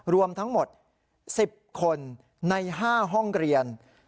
รวมทั้งหมด๑๐คนใน๕ห้องเรียน